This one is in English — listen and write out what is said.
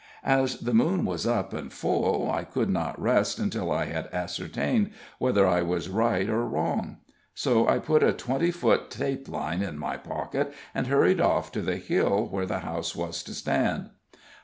As the moon was up and full, I could not rest until I had ascertained whether I was right or wrong; so I put a twenty foot tapeline in my pocket, and hurried off to the hill where the house was to stand.